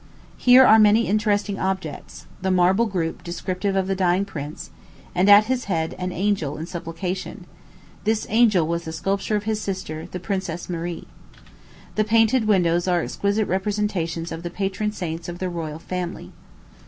Here are many interesting objects the marble group descriptive of the dying prince, and at his head an angel in supplication; this angel was the sculpture of his sister, the Princess Marie. The painted windows are exquisite representations of the patron saints of the royal family.